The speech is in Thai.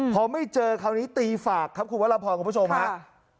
พอไม่เจอคราวนี้ตีฝากครับคุณวรพรคุณผู้ชมครับ